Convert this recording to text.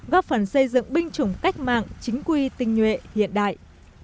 góp phần xây dựng binh chủng cách mạng chính quy tình nguyện hiện đại